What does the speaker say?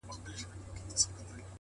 • په یو نظر کي مي د سترگو په لړم نیسې،